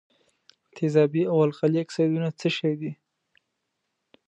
تیزابي او القلي اکسایدونه څه شی دي؟